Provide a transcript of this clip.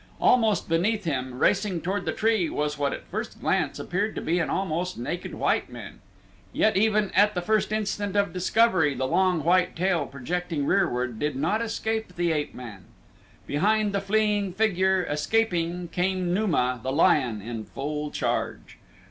Almost beneath him, racing toward his tree was what at first glance appeared to be an almost naked white man, yet even at the first instant of discovery the long, white tail projecting rearward did not escape the ape man. Behind the fleeing figure, escaping, came Numa, the lion, in full charge.